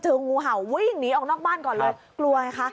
งูเห่าวิ่งหนีออกนอกบ้านก่อนเลยกลัวไงคะ